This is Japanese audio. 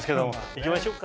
行きましょうか。